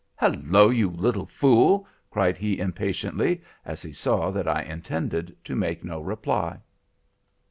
Hallo! you little fool!' cried he impatiently, as he saw that I intended to make no reply.